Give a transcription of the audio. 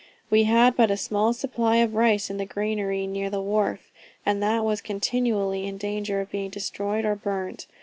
We had but a small supply of rice in the granary near the wharf, and that was continually in danger of being destroyed or burnt.